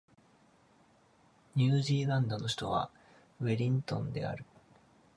ニュージーランドの首都はウェリントンである